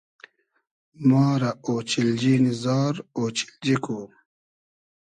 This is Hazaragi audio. ما رۂ اۉچیلنی نی زار ، اۉچیلجی کو